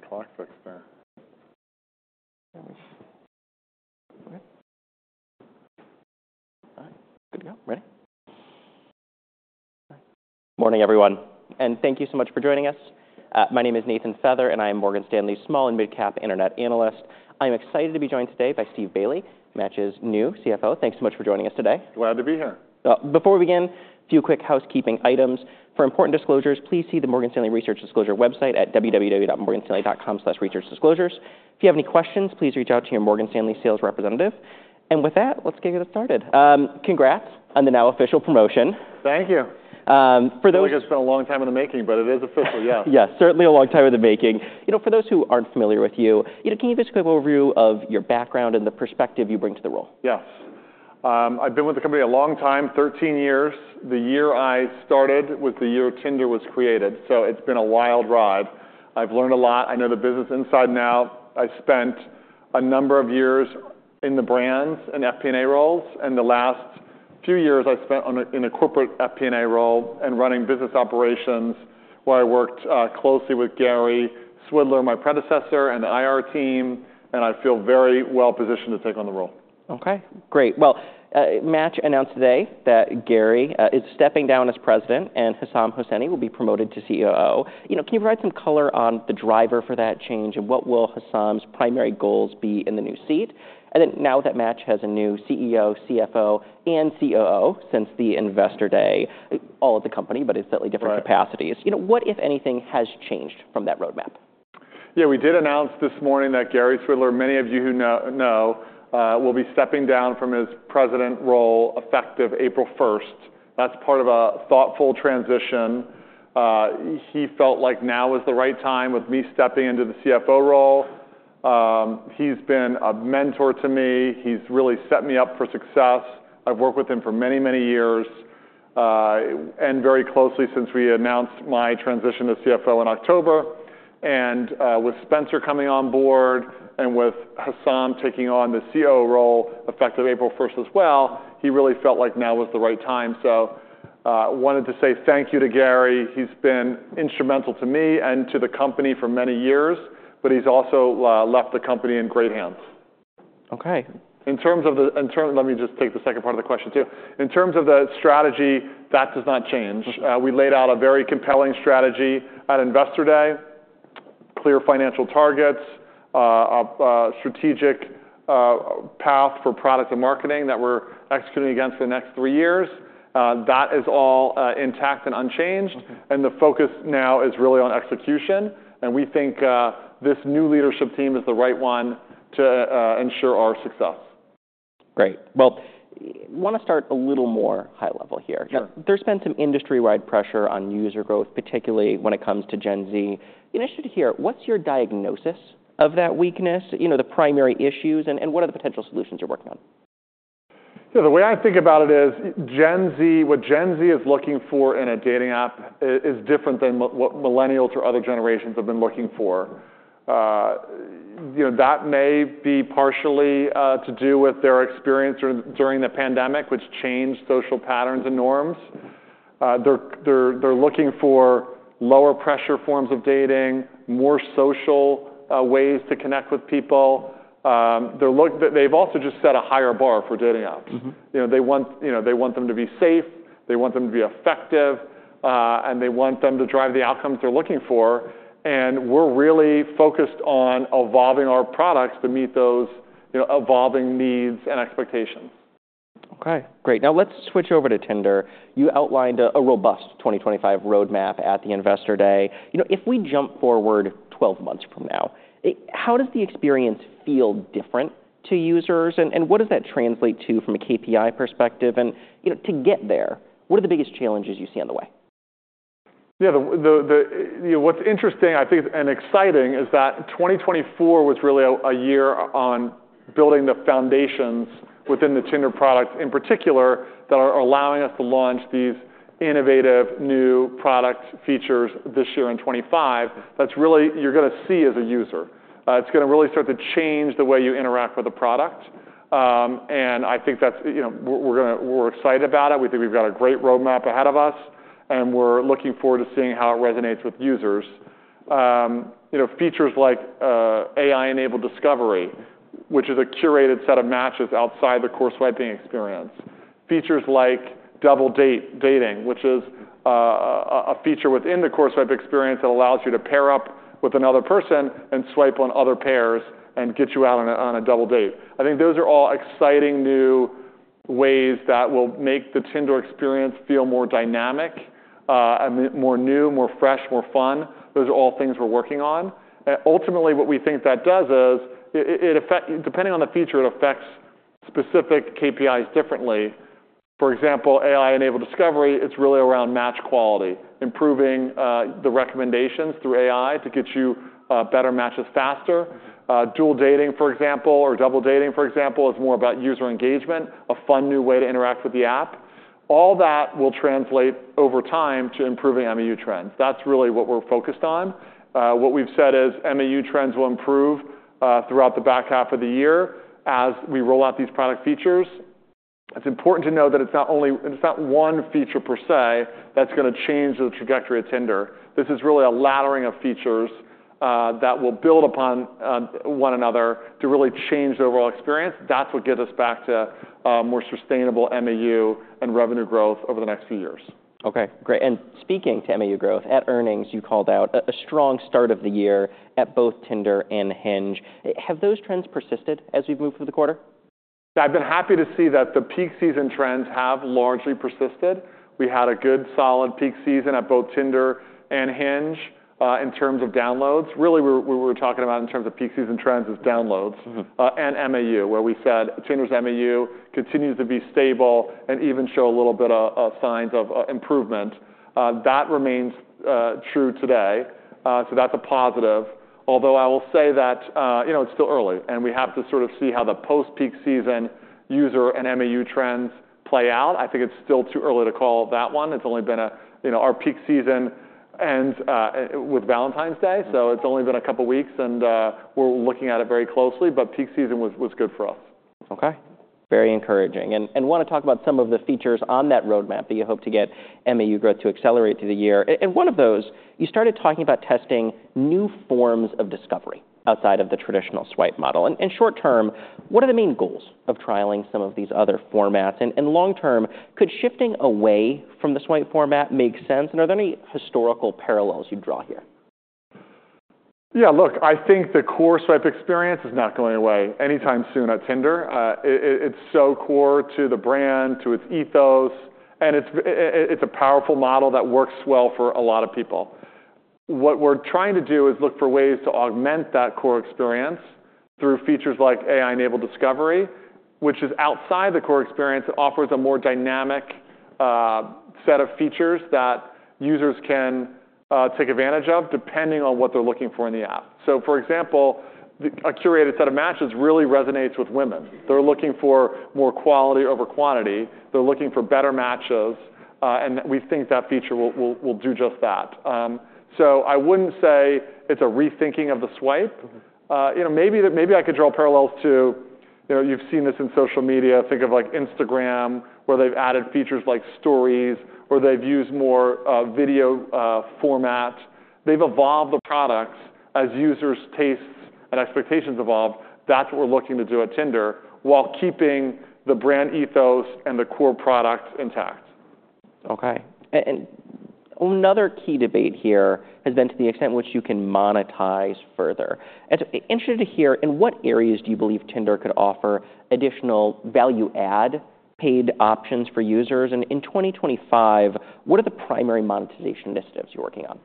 There's a clock fixed there. Good morning, everyone, and thank you so much for joining us. My name is Nathan Feather, and I am Morgan Stanley's small and mid-cap internet analyst. I'm excited to be joined today by Steve Bailey, Match's new CFO. Thanks so much for joining us today. Glad to be here. Before we begin, a few quick housekeeping items. For important disclosures, please see the Morgan Stanley Research Disclosure website at www.morganstanley.com/researchdisclosures. If you have any questions, please reach out to your Morgan Stanley sales representative. And with that, let's get started. Congrats on the now official promotion. Thank you. For those. It's only just been a long time in the making, but it is official, yes. Yes, certainly a long time in the making. For those who aren't familiar with you, can you give us a quick overview of your background and the perspective you bring to the role? Yes. I've been with the company a long time, 13 years. The year I started was the year Tinder was created, so it's been a wild ride. I've learned a lot. I know the business inside and out. I spent a number of years in the brands and FP&A roles, and the last few years I spent in a corporate FP&A role and running business operations where I worked closely with Gary Swidler, my predecessor, and the IR team. And I feel very well positioned to take on the role. OK, great. Well, Match announced today that Gary is stepping down as president, and Hesam Hosseini will be promoted to COO. Can you provide some color on the driver for that change and what will Hesam's primary goals be in the new seat? And then now that Match has a new CEO, CFO, and COO since the investor day, all at the company, but in slightly different capacities, what, if anything, has changed from that roadmap? Yeah, we did announce this morning that Gary Swidler, many of you who know, will be stepping down from his President role effective April 1. That's part of a thoughtful transition. He felt like now was the right time with me stepping into the CFO role. He's been a mentor to me. He's really set me up for success. I've worked with him for many, many years and very closely since we announced my transition to CFO in October, and with Spencer coming on board and with Hesam taking on the COO role effective April 1 as well, he really felt like now was the right time, so I wanted to say thank you to Gary. He's been instrumental to me and to the company for many years, but he's also left the company in great hands. OK. Let me just take the second part of the question too. In terms of the strategy, that does not change. We laid out a very compelling strategy at Investor Day, clear financial targets, a strategic path for product and marketing that we're executing against for the next three years. That is all intact and unchanged, and the focus now is really on execution. And we think this new leadership team is the right one to ensure our success. Great. Well, I want to start a little more high level here. There's been some industry-wide pressure on user growth, particularly when it comes to Gen Z. Initially here, what's your diagnosis of that weakness, the primary issues, and what are the potential solutions you're working on? Yeah, the way I think about it is what Gen Z is looking for in a dating app is different than what millennials or other generations have been looking for. That may be partially to do with their experience during the pandemic, which changed social patterns and norms. They're looking for lower pressure forms of dating, more social ways to connect with people. They've also just set a higher bar for dating apps. They want them to be safe. They want them to be effective, and they want them to drive the outcomes they're looking for, and we're really focused on evolving our products to meet those evolving needs and expectations. OK, great. Now let's switch over to Tinder. You outlined a robust 2025 roadmap at the Investor Day. If we jump forward 12 months from now, how does the experience feel different to users, and what does that translate to from a KPI perspective, and to get there, what are the biggest challenges you see on the way? Yeah, what's interesting, I think, and exciting is that 2024 was really a year of building the foundations within the Tinder products in particular that are allowing us to launch these innovative new product features this year and 2025 that you're going to see as a user. It's going to really start to change the way you interact with a product, and I think we're excited about it. We think we've got a great roadmap ahead of us, and we're looking forward to seeing how it resonates with users. Features like AI-Enabled Discovery, which is a curated set of matches outside the core swiping experience. Features like Double Dating, which is a feature within the core swipe experience that allows you to pair up with another person and swipe on other pairs and get you out on a double date. I think those are all exciting new ways that will make the Tinder experience feel more dynamic, more new, more fresh, more fun. Those are all things we're working on. Ultimately, what we think that does is, depending on the feature, it affects specific KPIs differently. For example, AI-enabled discovery, it's really around match quality, improving the recommendations through AI to get you better matches faster. Dual dating, for example, or double dating, for example, is more about user engagement, a fun new way to interact with the app. All that will translate over time to improving MAU trends. That's really what we're focused on. What we've said is MAU trends will improve throughout the back half of the year as we roll out these product features. It's important to note that it's not one feature per se that's going to change the trajectory of Tinder. This is really a laddering of features that will build upon one another to really change the overall experience. That's what gets us back to more sustainable MAU and revenue growth over the next few years. OK, great. And speaking to MAU growth, at earnings, you called out a strong start of the year at both Tinder and Hinge. Have those trends persisted as we've moved through the quarter? I've been happy to see that the peak season trends have largely persisted. We had a good solid peak season at both Tinder and Hinge in terms of downloads. Really, what we were talking about in terms of peak season trends is downloads and MAU, where we said Tinder's MAU continues to be stable and even show a little bit of signs of improvement. That remains true today, so that's a positive. Although I will say that it's still early, and we have to sort of see how the post-peak season user and MAU trends play out. I think it's still too early to call that one. It's only been since peak season ends with Valentine's Day, so it's only been a couple of weeks, and we're looking at it very closely. But peak season was good for us. OK, very encouraging. And I want to talk about some of the features on that roadmap that you hope to get MAU growth to accelerate through the year. And one of those, you started talking about testing new forms of discovery outside of the traditional swipe model. And short term, what are the main goals of trialing some of these other formats? And long term, could shifting away from the swipe format make sense? And are there any historical parallels you'd draw here? Yeah, look, I think the core swipe experience is not going away anytime soon at Tinder. It's so core to the brand, to its ethos, and it's a powerful model that works well for a lot of people. What we're trying to do is look for ways to augment that core experience through features like AI-Enabled Discovery, which is outside the core experience. It offers a more dynamic set of features that users can take advantage of depending on what they're looking for in the app. So for example, a curated set of matches really resonates with women. They're looking for more quality over quantity. They're looking for better matches, and we think that feature will do just that. So I wouldn't say it's a rethinking of the swipe. Maybe I could draw parallels to you've seen this in social media. Think of Instagram, where they've added features like stories, where they've used more video format. They've evolved the products as users' tastes and expectations evolved. That's what we're looking to do at Tinder while keeping the brand ethos and the core product intact. OK, and another key debate here has been to the extent in which you can monetize further. And so, interested to hear, in what areas do you believe Tinder could offer additional value-add paid options for users? And in 2025, what are the primary monetization initiatives you're working on?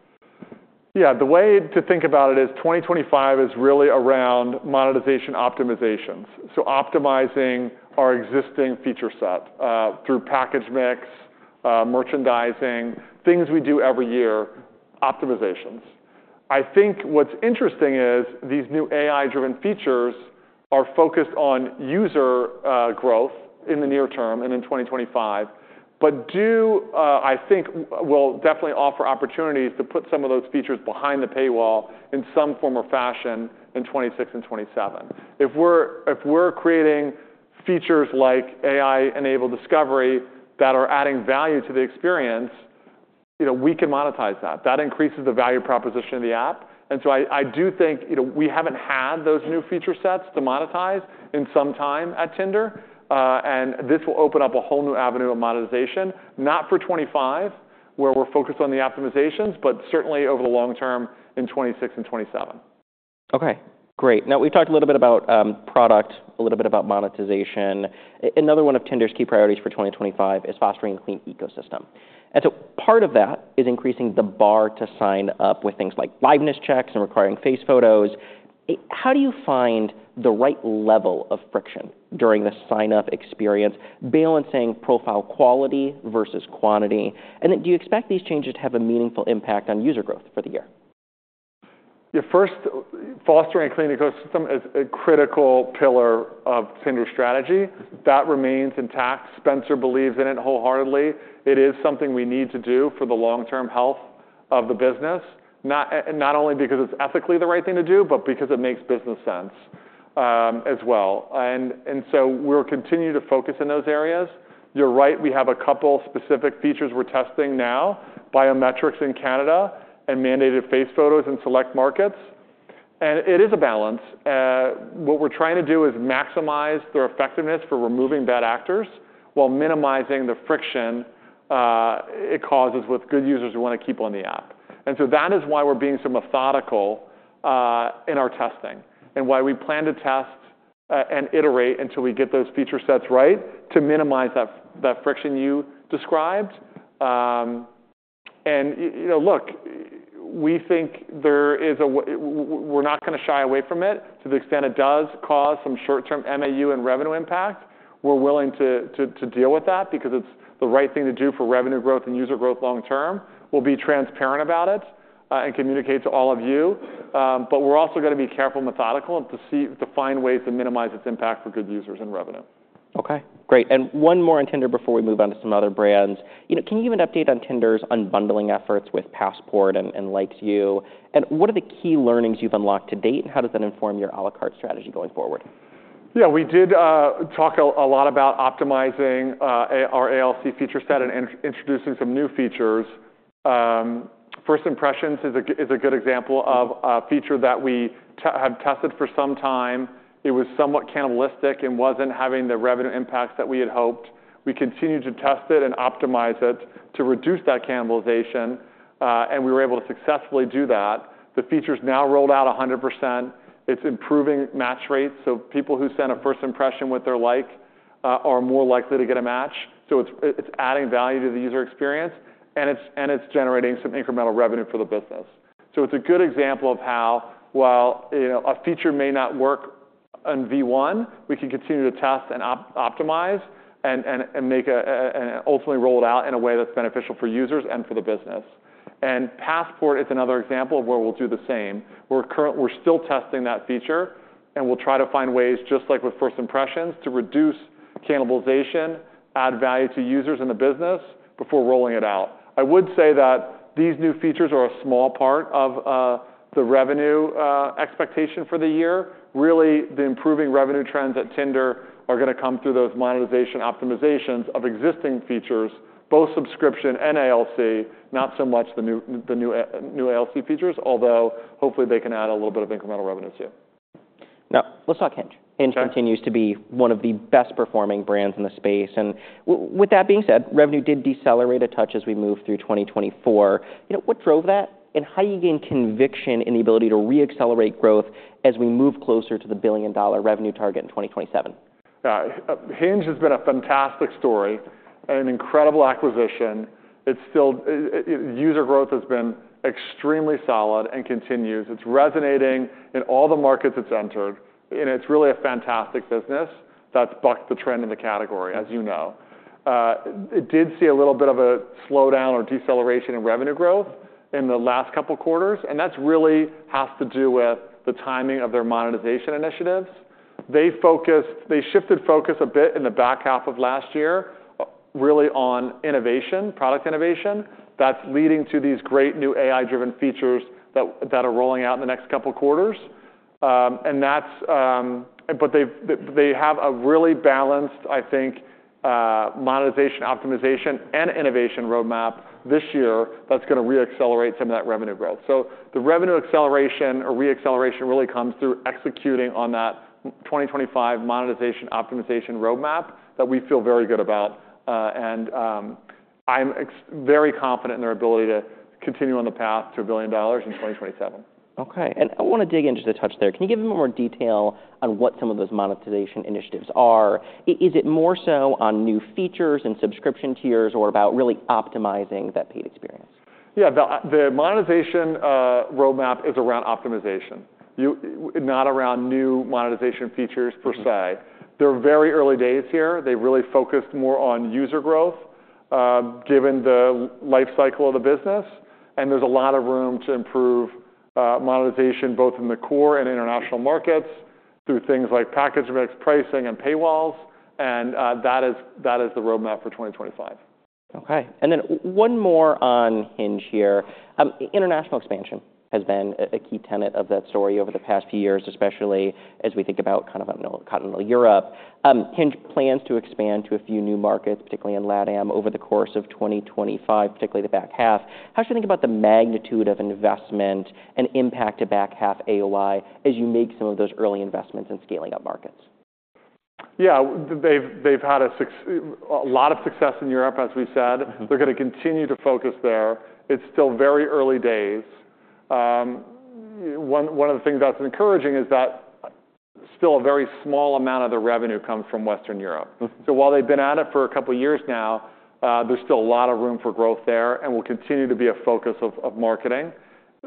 Yeah, the way to think about it is 2025 is really around monetization optimizations. So optimizing our existing feature set through package mix, merchandising, things we do every year, optimizations. I think what's interesting is these new AI-driven features are focused on user growth in the near term and in 2025, but do, I think, will definitely offer opportunities to put some of those features behind the paywall in some form or fashion in 2026 and 2027. If we're creating features like AI-enabled discovery that are adding value to the experience, we can monetize that. That increases the value proposition of the app, and so I do think we haven't had those new feature sets to monetize in some time at Tinder. This will open up a whole new avenue of monetization, not for 2025, where we're focused on the optimizations, but certainly over the long term in 2026 and 2027. OK, great. Now we talked a little bit about product, a little bit about monetization. Another one of Tinder's key priorities for 2025 is fostering a clean ecosystem, and so part of that is increasing the bar to sign up with things like liveness checks and requiring face photos. How do you find the right level of friction during the sign-up experience, balancing profile quality versus quantity, and then do you expect these changes to have a meaningful impact on user growth for the year? Yeah, first, fostering a clean ecosystem is a critical pillar of Tinder's strategy. That remains intact. Spencer believes in it wholeheartedly. It is something we need to do for the long-term health of the business, not only because it's ethically the right thing to do, but because it makes business sense as well. And so we'll continue to focus in those areas. You're right. We have a couple specific features we're testing now, biometrics in Canada and mandated face photos in select markets. And it is a balance. What we're trying to do is maximize their effectiveness for removing bad actors while minimizing the friction it causes with good users who want to keep on the app. And so that is why we're being so methodical in our testing and why we plan to test and iterate until we get those feature sets right to minimize that friction you described. Look, we think we're not going to shy away from it. To the extent it does cause some short-term MAU and revenue impact, we're willing to deal with that because it's the right thing to do for revenue growth and user growth long term. We'll be transparent about it and communicate to all of you. But we're also going to be careful, methodical, and to find ways to minimize its impact for good users and revenue. OK, great. And one more in Tinder before we move on to some other brands. Can you give an update on Tinder's unbundling efforts with Passport and LikeU? And what are the key learnings you've unlocked to date, and how does that inform your à la carte strategy going forward? Yeah, we did talk a lot about optimizing our ALC feature set and introducing some new features. First Impressions is a good example of a feature that we have tested for some time. It was somewhat cannibalistic and wasn't having the revenue impacts that we had hoped. We continued to test it and optimize it to reduce that cannibalization, and we were able to successfully do that. The feature's now rolled out 100%. It's improving match rates, so people who send a First Impression with their Like are more likely to get a match. So it's adding value to the user experience, and it's generating some incremental revenue for the business. So it's a good example of how, while a feature may not work in v1, we can continue to test and optimize and ultimately roll it out in a way that's beneficial for users and for the business. Passport is another example of where we'll do the same. We're still testing that feature, and we'll try to find ways, just like with First Impressions, to reduce cannibalization, add value to users and the business before rolling it out. I would say that these new features are a small part of the revenue expectation for the year. Really, the improving revenue trends at Tinder are going to come through those monetization optimizations of existing features, both subscription and ALC, not so much the new ALC features, although hopefully they can add a little bit of incremental revenue too. Now let's talk Hinge. Hinge continues to be one of the best-performing brands in the space. And with that being said, revenue did decelerate a touch as we moved through 2024. What drove that, and how do you gain conviction in the ability to re-accelerate growth as we move closer to the billion-dollar revenue target in 2027? Hinge has been a fantastic story, an incredible acquisition. User growth has been extremely solid and continues. It's resonating in all the markets it's entered, and it's really a fantastic business that's bucked the trend in the category, as you know. It did see a little bit of a slowdown or deceleration in revenue growth in the last couple of quarters, and that really has to do with the timing of their monetization initiatives. They shifted focus a bit in the back half of last year really on innovation, product innovation, that's leading to these great new AI-driven features that are rolling out in the next couple of quarters. But they have a really balanced, I think, monetization optimization and innovation roadmap this year that's going to re-accelerate some of that revenue growth. The revenue acceleration or re-acceleration really comes through executing on that 2025 monetization optimization roadmap that we feel very good about. I'm very confident in their ability to continue on the path to $1 billion in 2027. OK, and I want to dig into the touch there. Can you give a bit more detail on what some of those monetization initiatives are? Is it more so on new features and subscription tiers or about really optimizing that paid experience? Yeah, the monetization roadmap is around optimization, not around new monetization features per se. They're very early days here. They've really focused more on user growth given the life cycle of the business. And there's a lot of room to improve monetization both in the core and international markets through things like package mix, pricing, and paywalls. And that is the roadmap for 2025. Okay, and then one more on Hinge here. International expansion has been a key tenet of that story over the past few years, especially as we think about kind of continental Europe. Hinge plans to expand to a few new markets, particularly in LATAM, over the course of 2025, particularly the back half. How should we think about the magnitude of investment and impact to back half AOI as you make some of those early investments in scaling up markets? Yeah, they've had a lot of success in Europe, as we said. They're going to continue to focus there. It's still very early days. One of the things that's encouraging is that still a very small amount of their revenue comes from Western Europe. So while they've been at it for a couple of years now, there's still a lot of room for growth there, and will continue to be a focus of marketing.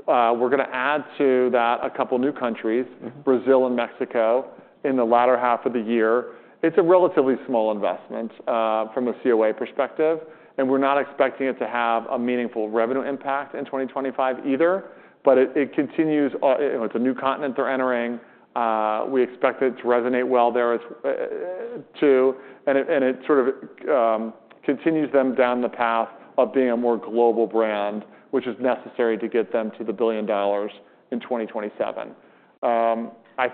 We're going to add to that a couple of new countries, Brazil and Mexico, in the latter half of the year. It's a relatively small investment from a COA perspective, and we're not expecting it to have a meaningful revenue impact in 2025 either. But it continues. It's a new continent they're entering. We expect it to resonate well there too, and it sort of continues them down the path of being a more global brand, which is necessary to get them to $1 billion in 2027. I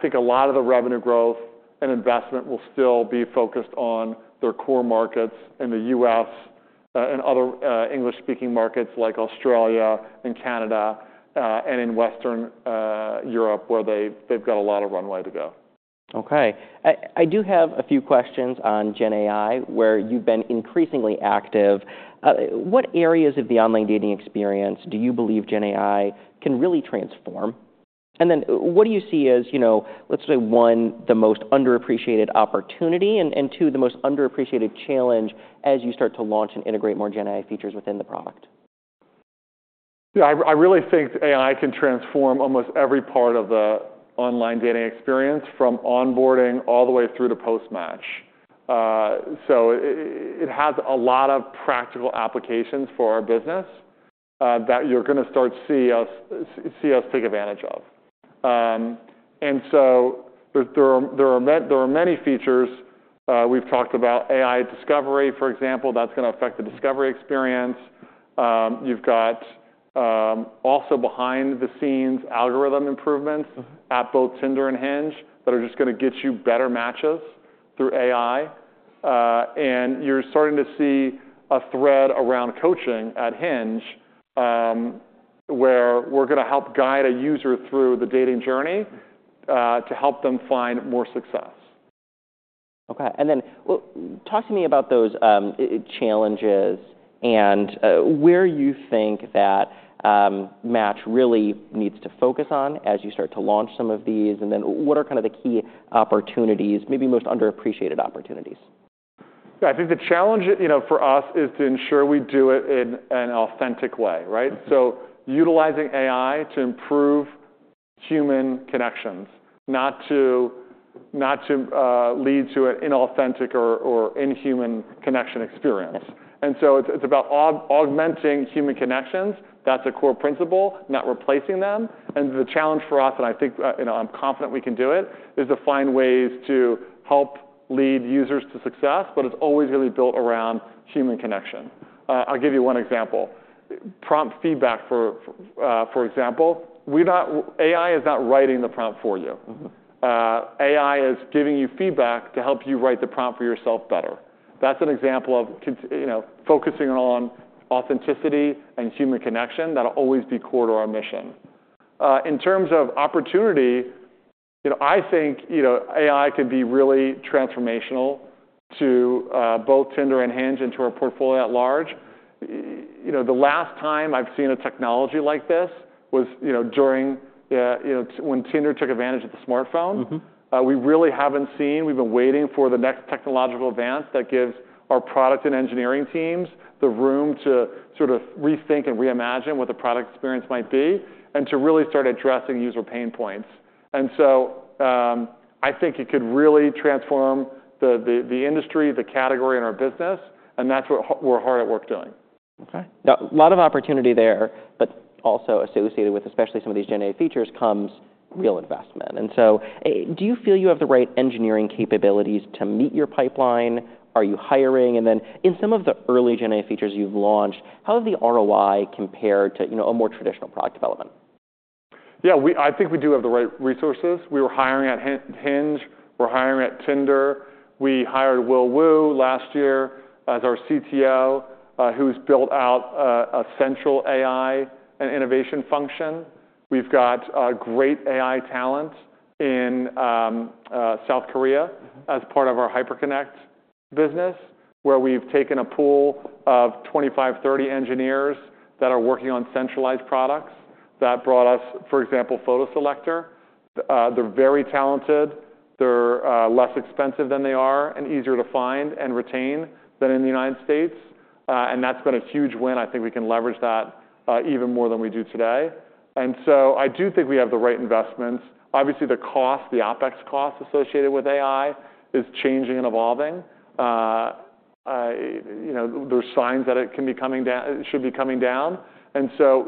think a lot of the revenue growth and investment will still be focused on their core markets in the U.S. and other English-speaking markets like Australia and Canada and in Western Europe, where they've got a lot of runway to go. OK, I do have a few questions on GenAI, where you've been increasingly active. What areas of the online dating experience do you believe GenAI can really transform? And then what do you see as, let's say, one, the most underappreciated opportunity, and two, the most underappreciated challenge as you start to launch and integrate more GenAI features within the product? Yeah, I really think AI can transform almost every part of the online dating experience from onboarding all the way through to post-match. So it has a lot of practical applications for our business that you're going to start to see us take advantage of. And so there are many features. We've talked about AI discovery, for example, that's going to affect the discovery experience. You've got also behind-the-scenes algorithm improvements at both Tinder and Hinge that are just going to get you better matches through AI. And you're starting to see a thread around coaching at Hinge, where we're going to help guide a user through the dating journey to help them find more success. OK, and then talk to me about those challenges and where you think that Match really needs to focus on as you start to launch some of these. And then what are kind of the key opportunities, maybe most underappreciated opportunities? Yeah, I think the challenge for us is to ensure we do it in an authentic way, right, so utilizing AI to improve human connections, not to lead to an inauthentic or inhuman connection experience, and so it's about augmenting human connections. That's a core principle, not replacing them, and the challenge for us, and I think I'm confident we can do it, is to find ways to help lead users to success, but it's always going to be built around human connection. I'll give you one example. Prompt feedback, for example, AI is not writing the prompt for you. AI is giving you feedback to help you write the prompt for yourself better. That's an example of focusing on authenticity and human connection that will always be core to our mission. In terms of opportunity, I think AI could be really transformational to both Tinder and Hinge and to our portfolio at large. The last time I've seen a technology like this was when Tinder took advantage of the smartphone. We really haven't seen. We've been waiting for the next technological advance that gives our product and engineering teams the room to sort of rethink and reimagine what the product experience might be and to really start addressing user pain points. And so I think it could really transform the industry, the category in our business, and that's what we're hard at work doing. OK, a lot of opportunity there, but also associated with especially some of these GenAI features comes real investment. And so do you feel you have the right engineering capabilities to meet your pipeline? Are you hiring? And then in some of the early GenAI features you've launched, how does the ROI compare to a more traditional product development? Yeah, I think we do have the right resources. We were hiring at Hinge. We're hiring at Tinder. We hired Will Wu last year as our CTO, who's built out a central AI and innovation function. We've got great AI talent in South Korea as part of our Hyperconnect business, where we've taken a pool of 25, 30 engineers that are working on centralized products that brought us, for example, Photo Selector. They're very talented. They're less expensive than they are and easier to find and retain than in the United States. And that's been a huge win. I think we can leverage that even more than we do today. And so I do think we have the right investments. Obviously, the cost, the OpEx cost associated with AI is changing and evolving. There are signs that it should be coming down. And so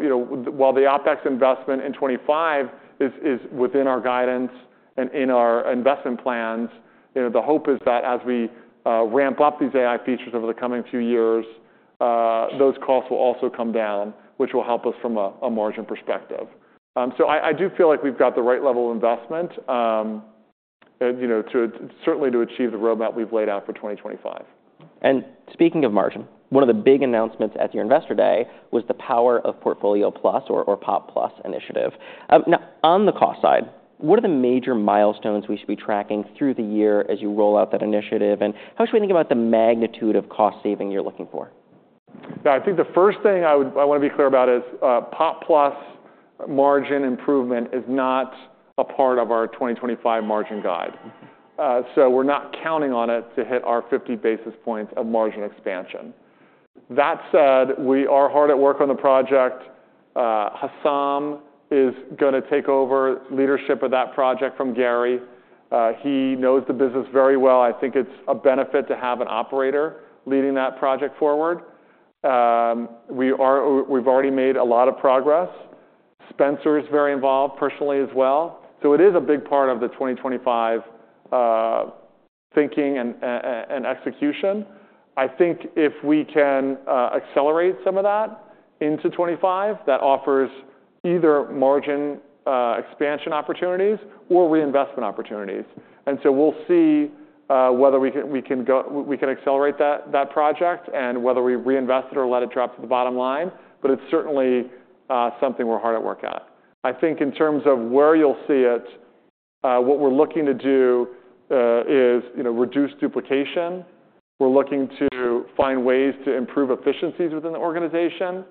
while the OpEx investment in 2025 is within our guidance and in our investment plans, the hope is that as we ramp up these AI features over the coming few years, those costs will also come down, which will help us from a margin perspective. So I do feel like we've got the right level of investment, certainly to achieve the roadmap we've laid out for 2025. Speaking of margin, one of the big announcements at your Investor Day was the Power of Portfolio Plus or POP Plus initiative. Now, on the cost side, what are the major milestones we should be tracking through the year as you roll out that initiative, and how should we think about the magnitude of cost saving you're looking for? Yeah, I think the first thing I want to be clear about is POP Plus margin improvement is not a part of our 2025 margin guide. So we're not counting on it to hit our 50 basis points of margin expansion. That said, we are hard at work on the project. Hesam is going to take over leadership of that project from Gary. He knows the business very well. I think it's a benefit to have an operator leading that project forward. We've already made a lot of progress. Spencer is very involved personally as well. So it is a big part of the 2025 thinking and execution. I think if we can accelerate some of that into 2025, that offers either margin expansion opportunities or reinvestment opportunities. And so we'll see whether we can accelerate that project and whether we reinvest it or let it drop to the bottom line. But it's certainly something we're hard at work at. I think in terms of where you'll see it, what we're looking to do is reduce duplication. We're looking to find ways to improve efficiencies within the organization.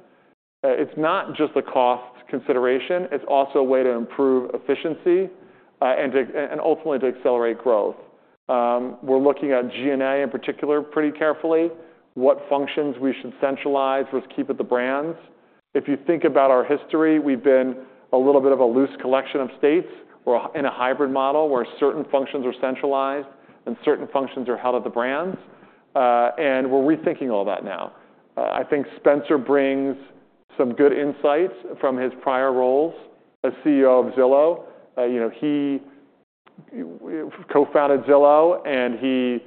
It's not just a cost consideration. It's also a way to improve efficiency and ultimately to accelerate growth. We're looking at G&A in particular pretty carefully, what functions we should centralize versus keep at the brands. If you think about our history, we've been a little bit of a loose collection of states. We're in a hybrid model where certain functions are centralized and certain functions are held at the brands. And we're rethinking all that now. I think Spencer brings some good insights from his prior roles as CEO of Zillow. He co-founded Zillow, and he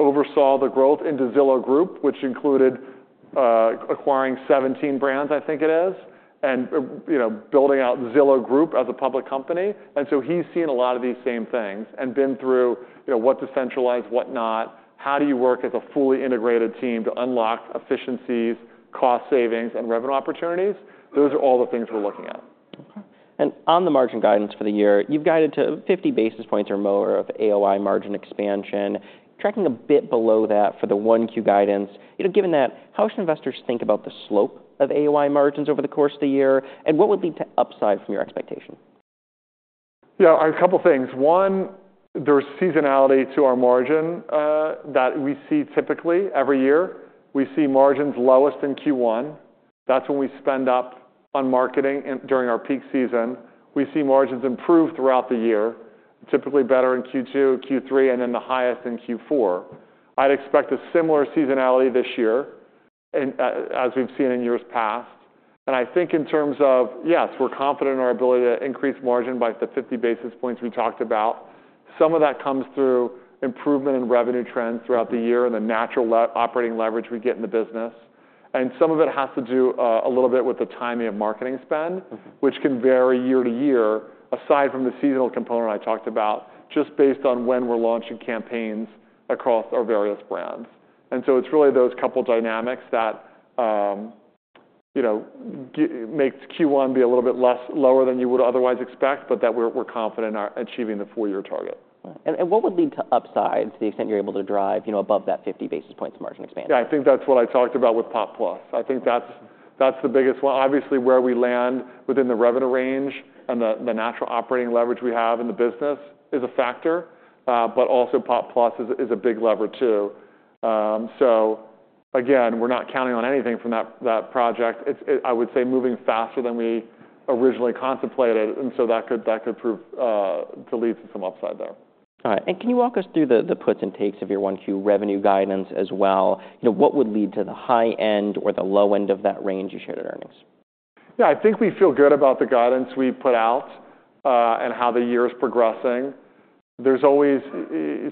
oversaw the growth into Zillow Group, which included acquiring 17 brands, I think it is, and building out Zillow Group as a public company, and so he's seen a lot of these same things and been through what to centralize, what not, how do you work as a fully integrated team to unlock efficiencies, cost savings, and revenue opportunities. Those are all the things we're looking at. On the margin guidance for the year, you've guided to 50 basis points or more of AOI margin expansion. Tracking a bit below that for the Q1 guidance. Given that, how should investors think about the slope of AOI margins over the course of the year? What would lead to upside from your expectation? Yeah, a couple of things. One, there's seasonality to our margin that we see typically every year. We see margins lowest in Q1. That's when we spend up on marketing during our peak season. We see margins improve throughout the year, typically better in Q2, Q3, and then the highest in Q4. I'd expect a similar seasonality this year as we've seen in years past. And I think in terms of, yes, we're confident in our ability to increase margin by the 50 basis points we talked about. Some of that comes through improvement in revenue trends throughout the year and the natural operating leverage we get in the business. Some of it has to do a little bit with the timing of marketing spend, which can vary year to year, aside from the seasonal component I talked about, just based on when we're launching campaigns across our various brands. So it's really those couple of dynamics that make Q1 be a little bit lower than you would otherwise expect, but that we're confident in achieving the four-year target. What would lead to upside to the extent you're able to drive above that 50 basis points margin expansion? Yeah, I think that's what I talked about with Pop Plus. I think that's the biggest one. Obviously, where we land within the revenue range and the natural operating leverage we have in the business is a factor, but also Pop Plus is a big lever too. So again, we're not counting on anything from that project. I would say moving faster than we originally contemplated. And so that could prove to lead to some upside there. All right. Can you walk us through the puts and takes of your Q1 revenue guidance as well? What would lead to the high end or the low end of that range you shared at earnings? Yeah, I think we feel good about the guidance we put out and how the year is progressing. There's always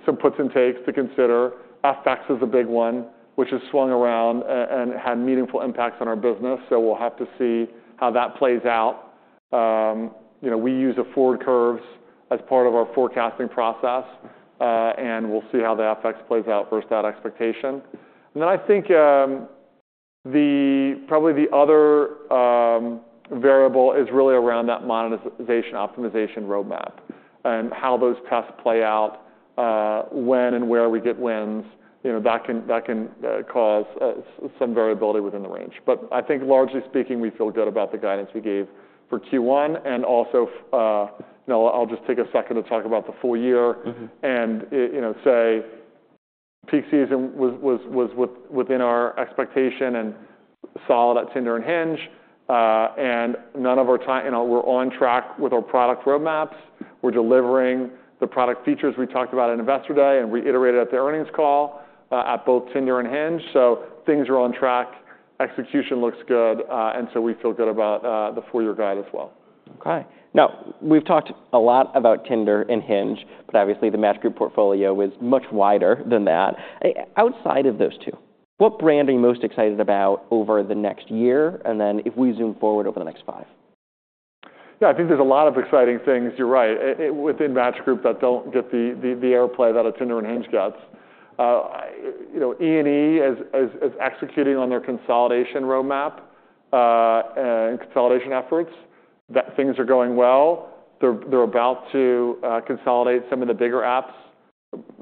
some puts and takes to consider. FX is a big one, which has swung around and had meaningful impacts on our business. So we'll have to see how that plays out. We use the Forward Curves as part of our forecasting process, and we'll see how the FX plays out versus that expectation. And then I think probably the other variable is really around that monetization optimization roadmap and how those tests play out, when and where we get wins. That can cause some variability within the range. But I think largely speaking, we feel good about the guidance we gave for Q1. And also I'll just take a second to talk about the full year and say peak season was within our expectation and solid at Tinder and Hinge. Now, in our time, we're on track with our product roadmaps. We're delivering the product features we talked about at Investor Day and reiterated at the earnings call at both Tinder and Hinge. So things are on track. Execution looks good. And so we feel good about the four-year guide as well. OK. Now, we've talked a lot about Tinder and Hinge, but obviously the Match Group portfolio is much wider than that. Outside of those two, what brand are you most excited about over the next year? And then if we zoom forward over the next five. Yeah, I think there's a lot of exciting things, you're right, within Match Group that don't get the airplay that Tinder and Hinge get. E&E is executing on their consolidation roadmap and consolidation efforts. Things are going well. They're about to consolidate some of the bigger apps,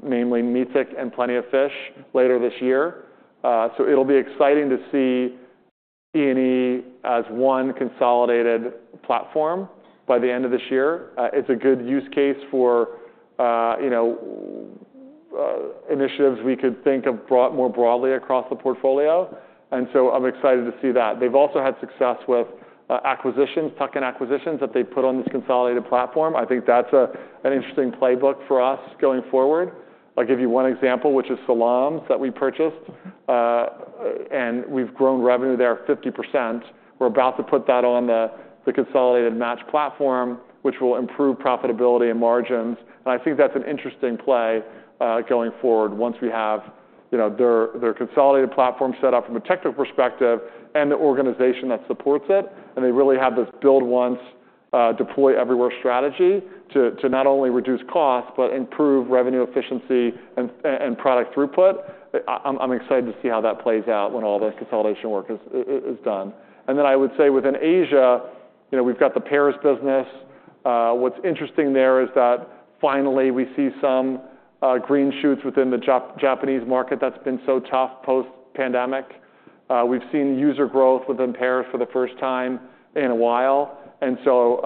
namely Meetic and Plenty of Fish later this year, so it'll be exciting to see E&E as one consolidated platform by the end of this year. It's a good use case for initiatives we could think of more broadly across the portfolio, and so I'm excited to see that. They've also had success with acquisitions, tuck-in acquisitions that they've put on this consolidated platform. I think that's an interesting playbook for us going forward. I'll give you one example, which is Salams that we purchased, and we've grown revenue there 50%. We're about to put that on the consolidated Match platform, which will improve profitability and margins. And I think that's an interesting play going forward once we have their consolidated platform set up from a technical perspective and the organization that supports it. And they really have this build once, deploy everywhere strategy to not only reduce costs, but improve revenue efficiency and product throughput. I'm excited to see how that plays out when all the consolidation work is done. And then I would say within Asia, we've got the Pairs business. What's interesting there is that finally we see some green shoots within the Japanese market that's been so tough post-pandemic. We've seen user growth within Pairs for the first time in a while. And so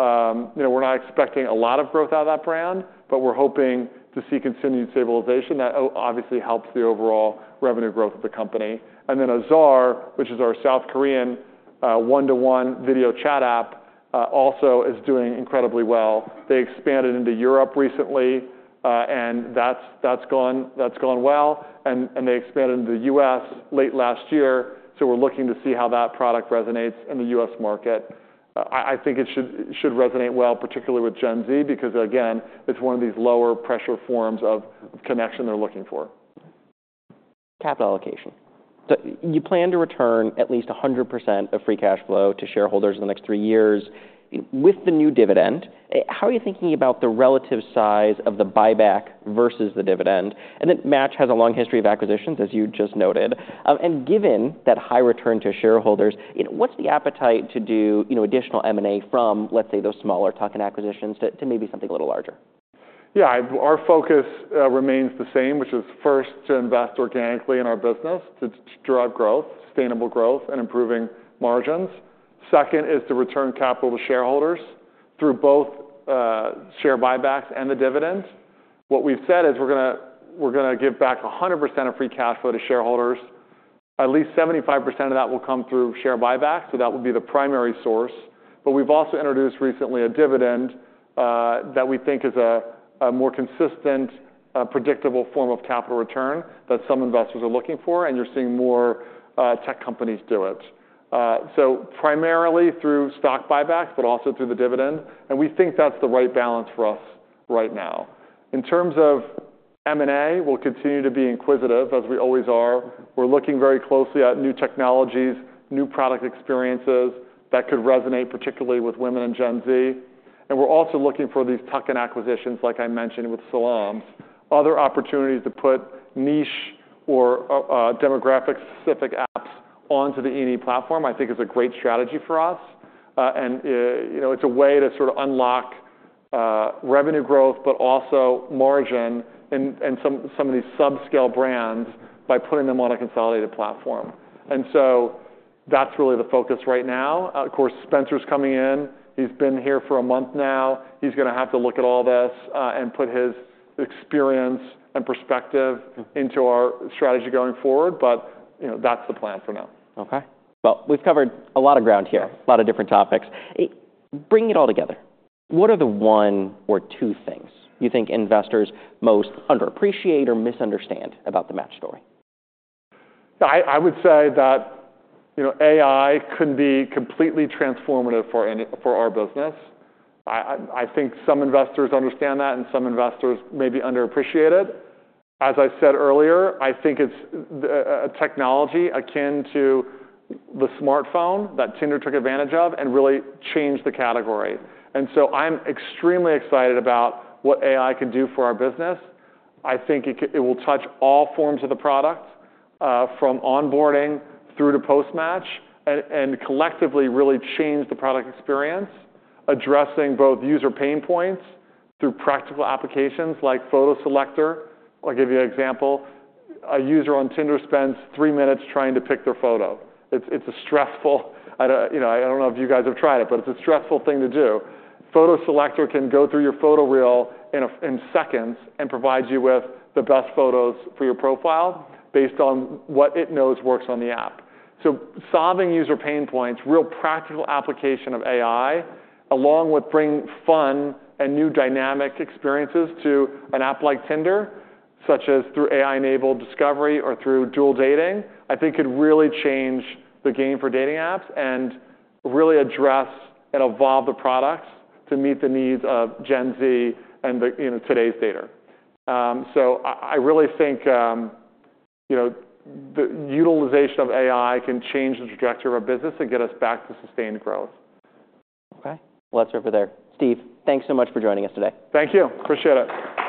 we're not expecting a lot of growth out of that brand, but we're hoping to see continued stabilization. That obviously helps the overall revenue growth of the company, and then Azar, which is our South Korean one-to-one video chat app, also is doing incredibly well. They expanded into Europe recently, and that's gone well, and they expanded into the U.S. late last year, so we're looking to see how that product resonates in the U.S. market. I think it should resonate well, particularly with Gen Z, because again, it's one of these lower pressure forms of connection they're looking for. Capital allocation. You plan to return at least 100% of free cash flow to shareholders in the next three years. With the new dividend, how are you thinking about the relative size of the buyback versus the dividend? And then Match has a long history of acquisitions, as you just noted. And given that high return to shareholders, what's the appetite to do additional M&A from, let's say, those smaller tuck-in acquisitions to maybe something a little larger? Yeah, our focus remains the same, which is first to invest organically in our business to drive growth, sustainable growth, and improving margins. Second is to return capital to shareholders through both share buybacks and the dividend. What we've said is we're going to give back 100% of free cash flow to shareholders. At least 75% of that will come through share buybacks. So that will be the primary source. But we've also introduced recently a dividend that we think is a more consistent, predictable form of capital return that some investors are looking for. And you're seeing more tech companies do it. So primarily through stock buybacks, but also through the dividend. And we think that's the right balance for us right now. In terms of M&A, we'll continue to be inquisitive as we always are. We're looking very closely at new technologies, new product experiences that could resonate particularly with women and Gen Z. And we're also looking for these tuck-in acquisitions, like I mentioned with Salams. Other opportunities to put niche or demographic-specific apps onto the E&E platform, I think, is a great strategy for us. And it's a way to sort of unlock revenue growth, but also margin and some of these subscale brands by putting them on a consolidated platform. And so that's really the focus right now. Of course, Spencer's coming in. He's been here for a month now. He's going to have to look at all this and put his experience and perspective into our strategy going forward. But that's the plan for now. OK. Well, we've covered a lot of ground here, a lot of different topics. Bringing it all together, what are the one or two things you think investors most underappreciate or misunderstand about the Match story? I would say that AI couldn't be completely transformative for our business. I think some investors understand that, and some investors maybe underappreciate it. As I said earlier, I think it's a technology akin to the smartphone that Tinder took advantage of and really changed the category. And so I'm extremely excited about what AI can do for our business. I think it will touch all forms of the product from onboarding through to post-match and collectively really change the product experience, addressing both user pain points through practical applications like Photo Selector. I'll give you an example. A user on Tinder spends three minutes trying to pick their photo. It's stressful. I don't know if you guys have tried it, but it's a stressful thing to do. Photo Selector can go through your photo reel in seconds and provide you with the best photos for your profile based on what it knows works on the app, so solving user pain points, real practical application of AI, along with bringing fun and new dynamic experiences to an app like Tinder, such as through AI-Enabled Discovery or through dual dating, I think could really change the game for dating apps and really address and evolve the products to meet the needs of Gen Z and today's dater, so I really think the utilization of AI can change the trajectory of our business and get us back to sustained growth. OK. Let's wrap it there. Steve, thanks so much for joining us today. Thank you. Appreciate it.